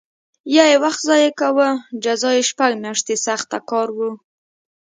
یا یې وخت ضایع کاوه جزا یې شپږ میاشتې سخت کار و